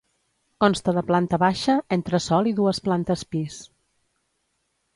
Consta de planta baixa, entresòl i dues plantes pis.